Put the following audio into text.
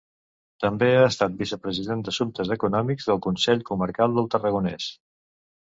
També ha estat vicepresident d'assumptes econòmics del Consell Comarcal del Tarragonès.